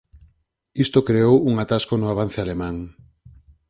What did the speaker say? Isto creou un atasco no avance alemán.